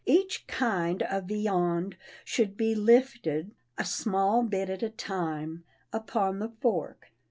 Each kind of viand should be lifted, a small bit at a time, upon the fork.